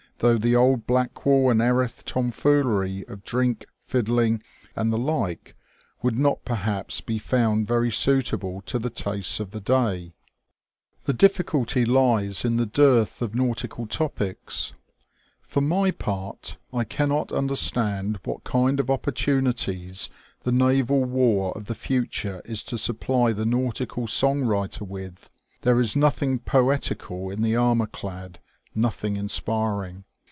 though the old Blackwall and Erith tomfoolery of drink, jSddling, and the like, would not perhaps be found very suitable to the THE OLD NAVAL SEA^SONa. 245 tastes of the day; the difficulty lies in t'le dearth of nautical topics. For my part, I cannot understand what kind of opportunities the naval war of the future is to supply the nautical song writer with. There is nothing poetical in the armourclad, nothing inspiring.